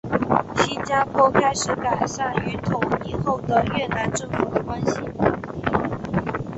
新加坡开始改善与统一后的越南政府的关系。